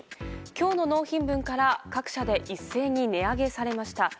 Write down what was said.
今日の納品分から各社で一斉に値上げされました。